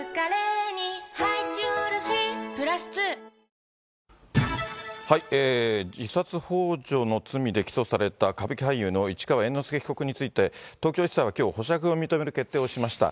ニトリ自殺ほう助の罪で起訴された歌舞伎俳優の市川猿之助被告について、東京地裁はきょう、保釈を認める決定をしました。